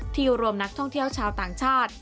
รวมนักท่องเที่ยวชาวต่างชาติ